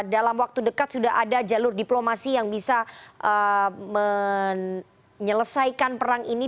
dalam waktu dekat sudah ada jalur diplomasi yang bisa menyelesaikan perang ini